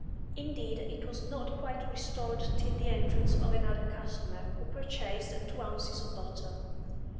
Indeed it was not quite restored till the entrance of another customer, who purchased two ounces of butter.